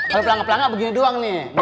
kalau pelangak pelangak begini doang nih